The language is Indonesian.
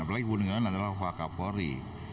apalagi budi gunawan adalah wak kapolri